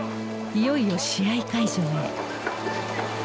いよいよ試合会場へ。